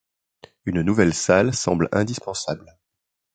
Une nouvelle salle semble indispensable.